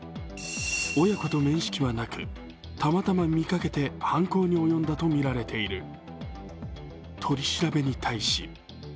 親子と面識はなく、たまたま見かけて犯行に及んだとみられている。